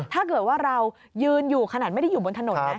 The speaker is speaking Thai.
ถ้าเกิดว่าเรายืนอยู่ขนาดไม่ได้อยู่บนถนนนะ